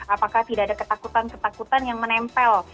apakah tidak ada ketakutan ketakutan yang menempel